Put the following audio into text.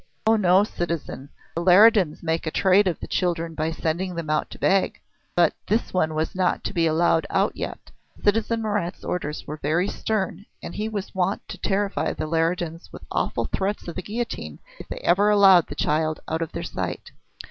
"Oh, no, citizen! The Leridans make a trade of the children by sending them out to beg. But this one was not to be allowed out yet. Citizen Marat's orders were very stern, and he was wont to terrify the Leridans with awful threats of the guillotine if they ever allowed the child out of their sight."